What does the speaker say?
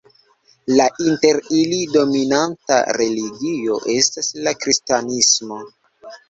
La inter ili dominanta religio estas la kristanismo.